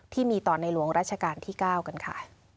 ที่มีต่อในหลวงราชการที่๙กันค่ะ